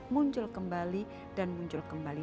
muncul kembali dan muncul kembali